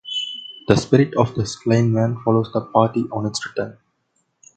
The spirit of the slain man follows the party on its return.